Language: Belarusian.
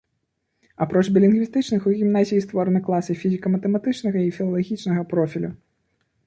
Апроч білінгвістычных, у гімназіі створаны класы фізіка-матэматычнага і філалагічнага профілю.